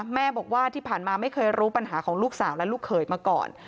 แม่บอกว่าที่ผ่านมาไม่เคยรู้ปัญหาของลูกสาวและลูกเขยมาก่อน